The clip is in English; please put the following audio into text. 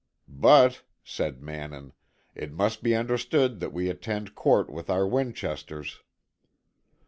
"But," said Mannin, "it must be understood that we attend court with our Winchesters."